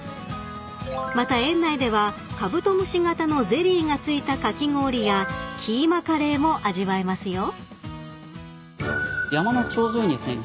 ［また園内ではカブトムシ形のゼリーが付いたかき氷やキーマカレーも味わえますよ］